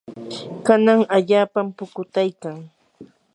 kanan allaapam pukutaykan.